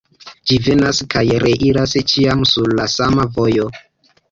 Ĝi venas kaj reiras ĉiam sur la sama vojo.